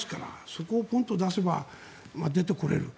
そこをポンと出せば出てこれる。